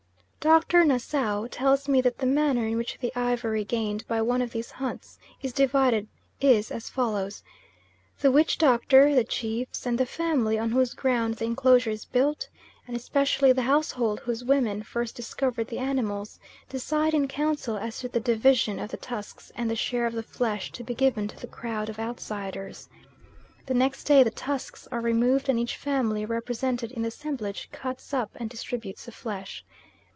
Dr. Nassau tells me that the manner in which the ivory gained by one of these hunts is divided is as follows: "The witch doctor, the chiefs, and the family on whose ground the enclosure is built, and especially the household whose women first discovered the animals, decide in council as to the division of the tusks and the share of the flesh to be given to the crowd of outsiders. The next day the tusks are removed and each family represented in the assemblage cuts up and distributes the flesh."